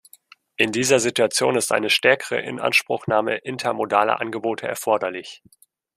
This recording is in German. In dieser Situation ist eine stärkere Inanspruchnahme intermodaler Angebote erforderlich.